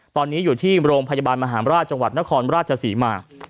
ตอนนี้อยู่ที่โรงพยาบาลมหาราชจังหวัดนครราชศรีมา